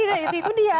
tapi itu dia